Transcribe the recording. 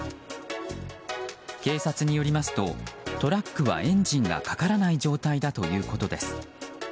警察によりますとトラックはエンジンがかからない状態だということです。